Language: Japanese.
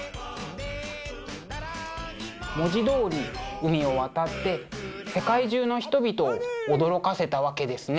文字どおり海を渡って世界中の人々を驚かせたわけですね。